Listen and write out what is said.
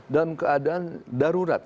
dalam keadaan darurat